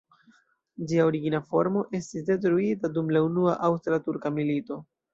Ĝia origina formo estis detruita dum la Unua Aŭstra-Turka milito.